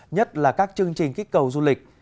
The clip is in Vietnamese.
nhất là các chương trình kích cầu du lịch